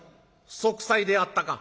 息災であったか？」。